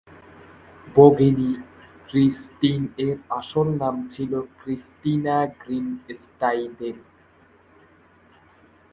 ভগিনী Christine এর আসল নাম ছিল ক্রিস্টিনা গ্রিনস্টাইডেল।